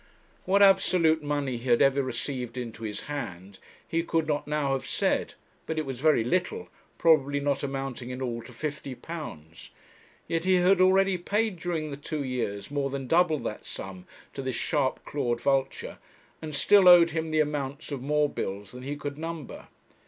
What absolute money he had ever received into his hand he could not now have said, but it was very little, probably not amounting in all to £50. Yet he had already paid during the two years more than double that sum to this sharp clawed vulture, and still owed him the amounts of more bills than he could number.